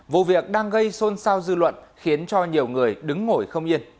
vụ việc đang gây xôn xao dư luận khiến cho nhiều người đứng ngồi không yên